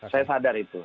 saya sadar itu